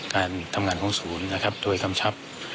การทำงานในโรงศูนย์โดยคำชับ